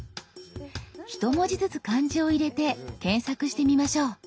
一文字ずつ漢字を入れて検索してみましょう。